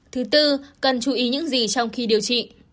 thứ tư cần chú ý những gì trong khi điều trị